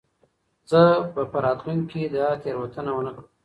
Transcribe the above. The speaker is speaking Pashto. زه به په راتلونکې کې دا تېروتنه ونه کړم.